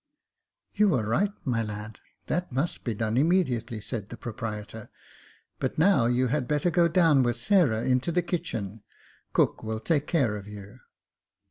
" You are right, my lad, that must be done immediately," said the proprietor j "but now you had better go down with Sarah into the kitchen 5 cook will take care of you.